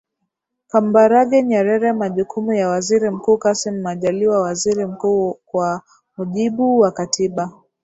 Kambarage NyerereMajukumu ya Waziri Mkuu Kassim Majaliwa Waziri Mkuu kwa mujibu wa Katiba